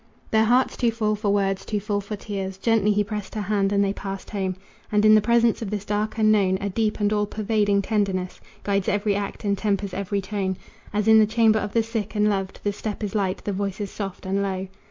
Their hearts too full for words, too full for tears, Gently he pressed her hand and they passed home; And in the presence of this dark unknown A deep and all pervading tenderness Guides every act and tempers every tone As in the chamber of the sick and loved The step is light, the voice is soft and low.